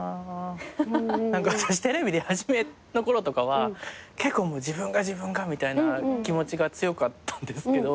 私テレビ出始めの頃とかは結構自分が自分がみたいな気持ちが強かったんですけど。